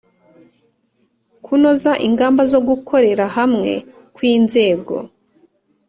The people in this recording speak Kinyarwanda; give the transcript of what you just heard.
kunoza ingamba zo gukorera hamwe kw'inzego